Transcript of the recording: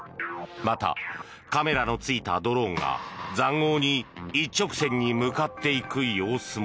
また、カメラのついたドローンが塹壕に一直線に向かっていく様子も。